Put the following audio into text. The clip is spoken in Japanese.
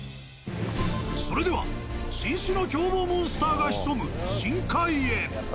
それでは新種の凶暴モンスターが潜む深海へ。